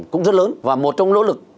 cũng rất lớn và một trong nỗ lực